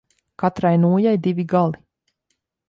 Katrai nūjai divi gali.